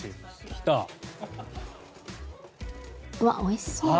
うわっ美味しそう。